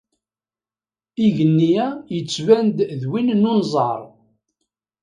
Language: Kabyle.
Igenni-a yettban-d d win n unẓar.